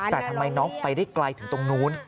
แต่ทำไมน้องไปได้ไกลถึงตรงนู้น